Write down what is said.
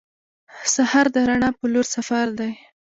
سهار د رڼا په لور سفر دی.